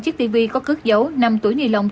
chiếc tv có cước dấu năm túi nhì lông